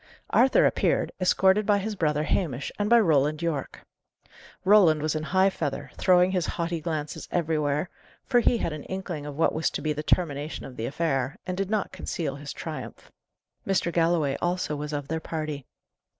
Arthur appeared, escorted by his brother Hamish and by Roland Yorke. Roland was in high feather, throwing his haughty glances everywhere, for he had an inkling of what was to be the termination of the affair, and did not conceal his triumph. Mr. Galloway also was of their party.